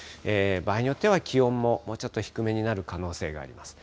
場合によっては、気温ももうちょっと低めになる可能性もあります。